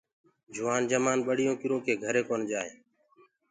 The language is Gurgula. جوآن جمآن ٻڙيونٚ ڪِرو ڪي گھري ڪونآ جآئينٚ۔